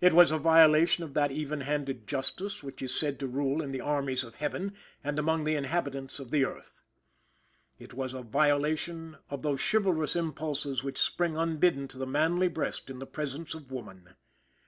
It was a violation of that even handed justice, which is said to rule in the armies of Heaven and among the inhabitants of the earth. It was a violation of those chivalrous impulses which spring unbidden to the manly breast in the presence of woman.